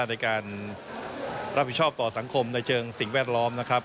ในการรับผิดชอบต่อสังคมในเชิงสิ่งแวดล้อมนะครับ